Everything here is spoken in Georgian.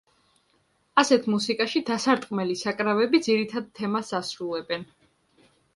ასეთ მუსიკაში დასარტყმელი საკრავები ძირითად თემას ასრულებენ.